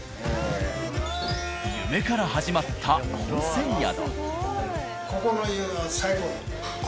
夢から始まった温泉宿。